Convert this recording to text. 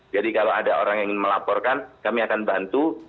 jadi kalau ada orang yang ingin melaporkan kami akan bantu